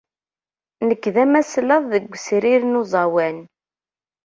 Nekk d amaslaḍ deg wesrir n uẓawan.